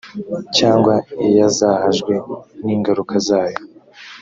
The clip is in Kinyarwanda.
cyangwa iyazahajwe n ingaruka zayo